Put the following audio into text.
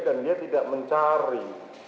dan dia tidak mencari